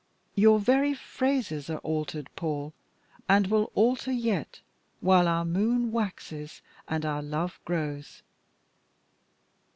"Your very phrases are altered, Paul, and will alter more yet, while our moon waxes and our love grows."